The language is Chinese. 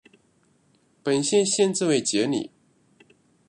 本县县治为杰里。